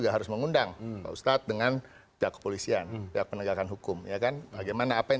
harus mengundang pak ustadz dengan pihak kepolisian pihak penegakan hukum ya kan bagaimana apa yang